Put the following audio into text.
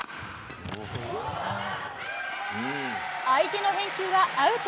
相手の返球はアウト。